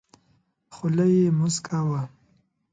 خوله یې موسکه وه .